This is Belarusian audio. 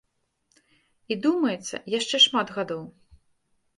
І, думаецца, яшчэ шмат гадоў.